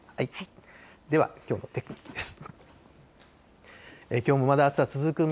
では、きょうの天気です。